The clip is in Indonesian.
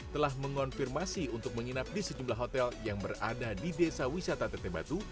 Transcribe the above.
telah mengonfirmasi untuk menginap di sejumlah hotel yang berada di desa wisata teteh batu